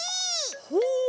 ほう！